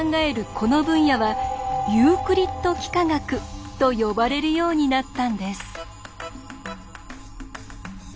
この分野は「ユークリッド幾何学」と呼ばれるようになったんです。